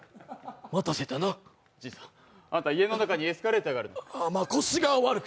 じいさん、あんた、家の中にエスカレーターがある。